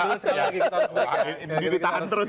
ini ditahan terus